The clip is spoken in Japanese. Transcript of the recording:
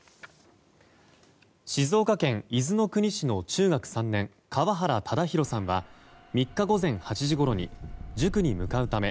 静岡県伊豆の国市の中学３年川原唯滉さんは３日午前８時ごろに塾に向かうため